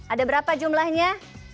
ada berapa jumlahnya